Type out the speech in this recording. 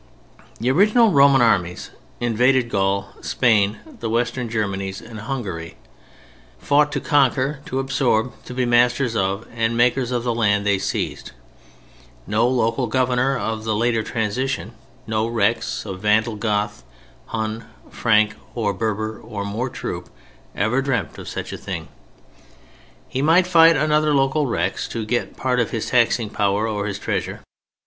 The original Roman armies invading Gaul, Spain, the western Germanies and Hungary, fought to conquer, to absorb, to be masters of and makers of the land they seized. No local governor of the later transition, no Rex of Vandal, Goth, Hun, Frank or Berber or Moor troop ever dreamt of such a thing. He might fight another local Rex to get part of his taxing power or his treasure.